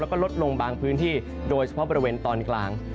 แล้วก็ลดลงบางพื้นที่โดยเฉพาะบริเวณตอนกลาง